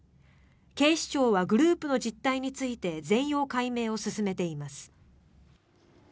警視庁はグループの実態について全容解明を進めています。